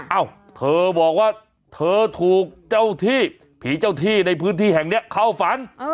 เอ้าเธอบอกว่าเธอถูกเจ้าที่ผีเจ้าที่ในพื้นที่แห่งนี้เข้าฝัน